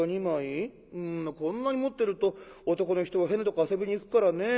こんなに持ってると男の人は変なとこ遊びに行くからねえ。